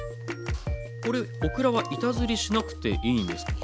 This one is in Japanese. これオクラは板ずりしなくていいんですか？